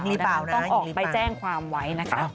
มีเปล่าต้องออกไปแจ้งความไว้นะคะ